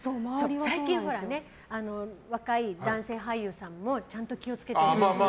最近、若い男性俳優さんもちゃんと気を付けてるって。